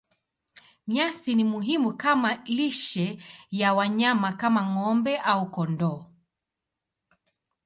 Nyasi ni muhimu kama lishe ya wanyama kama ng'ombe au kondoo.